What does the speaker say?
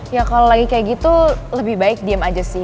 ya kalau lagi kayak gitu lebih baik diem aja sih